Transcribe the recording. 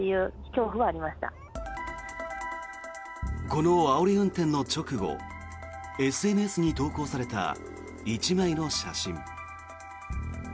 このあおり運転の直後ＳＮＳに投稿された１枚の写真。